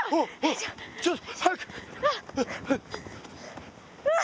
ちょっと早く！